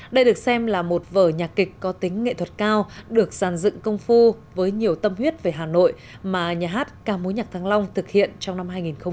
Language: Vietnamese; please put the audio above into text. đây được xem là một vở nhạc kịch có tính nghệ thuật cao được giàn dựng công phu với nhiều tâm huyết về hà nội mà nhà hát ca mối nhạc thăng long thực hiện trong năm hai nghìn một mươi chín